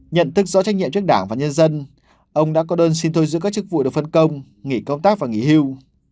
nhận thức rõ trách nhiệm trước đảng và nhân dân ông đã có đơn xin thôi giữ các chức vụ được phân công nghỉ công tác và nghỉ hưu